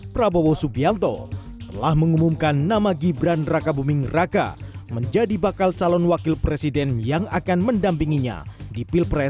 prabowo subianto telah mengumumkan nama gibran raka buming raka menjadi bakal calon wakil presiden yang akan mendampinginya di pilpres dua ribu dua puluh